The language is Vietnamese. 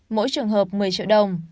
mỗi trường hợp một mươi triệu đồng